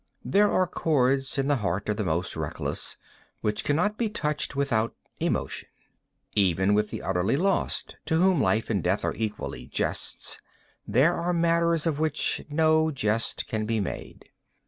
There are chords in the hearts of the most reckless which cannot be touched without emotion. Even with the utterly lost, to whom life and death are equally jests, there are matters of which no jest can be made.